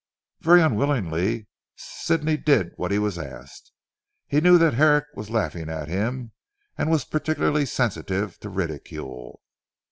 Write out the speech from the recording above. Very unwillingly Sidney did what he was asked. He knew that Herrick was laughing at him, and was particularly sensitive to ridicule.